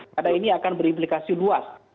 karena ini akan berimplikasi luas